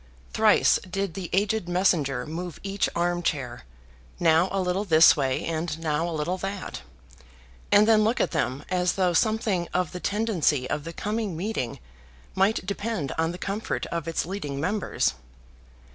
Thrice did the aged messenger move each armchair, now a little this way and now a little that, and then look at them as though something of the tendency of the coming meeting might depend on the comfort of its leading members.